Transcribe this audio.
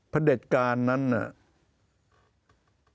ประเด็จการนั้นน่ะ